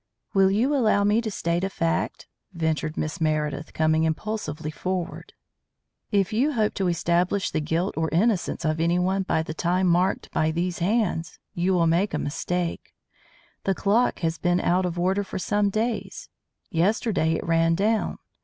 "Will you allow me to state a fact," ventured Miss Meredith, coming impulsively forward. "If you hope to establish the guilt or innocence of anyone by the time marked by these hands, you will make a mistake. The clock has been out of order for some days. Yesterday it ran down.